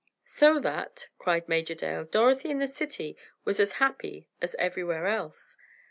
"So that," cried Major Dale, "Dorothy in the city was as happy as everywhere else!"